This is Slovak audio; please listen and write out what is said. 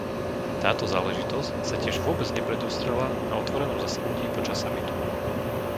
Táto záležitosť sa tiež vôbec nepredostrela na otvorenom zasadnutí počas samitu.